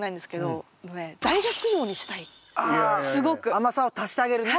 甘さを足してあげるね